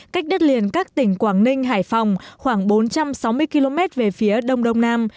cách đất liền các tỉnh quảng ninh hải phòng khoảng bốn trăm sáu mươi km về phía đông đông nam